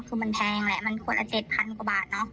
คือมันแพงแหละมันขวดละ๗๐๐กว่าบาทเนอะ